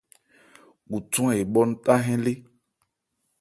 Khuthwán ebhɔ́ ńtahɛ́n lé.